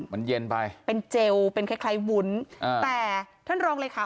มันเย็นไปเป็นเจลเป็นใครวุ้นแต่ท่านรองเลยค่ะ